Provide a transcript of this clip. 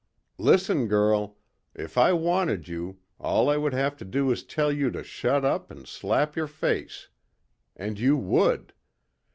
"Listen, girl. If I wanted you, all I would have to do is tell you to shut up and slap your face. And you would.